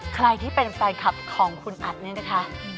ใครที่เป็นแฟนคลับของคุณอัดเนี่ยนะคะ